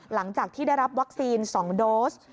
หลังจากที่ได้รับวัคซีน๒โดส